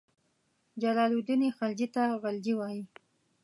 جلال الدین خلجي ته غلجي وایي.